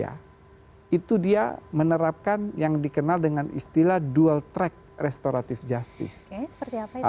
masing musing aguk tails ada np di bike capital ketika menerlihatkan restoratif yang penting dan juga kian yang tetap akan ditahan